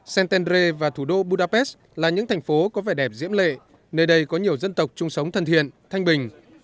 santander và thủ đô budapest là những thành phố có vẻ đẹp diễm lệ nơi đây có nhiều dân tộc chung sống thân thiện thanh bình